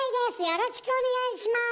よろしくお願いします。